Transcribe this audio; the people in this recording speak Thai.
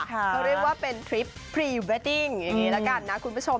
เขาเรียกว่าเป็นทริปพรีเวดดิ้งอย่างนี้ละกันนะคุณผู้ชม